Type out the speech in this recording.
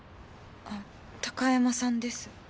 あ高山さんです。